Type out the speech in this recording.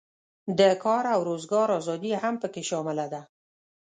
د کار او روزګار آزادي هم پکې شامله ده.